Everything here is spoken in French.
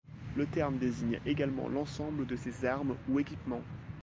Le terme désigne également l'ensemble de ces armes ou équipements.